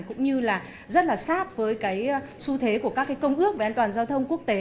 cũng như là rất là sát với cái xu thế của các cái công ước về an toàn giao thông quốc tế